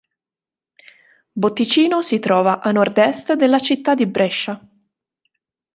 Botticino si trova a nord-est della città di Brescia.